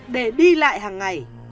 để đi lại hàng ngày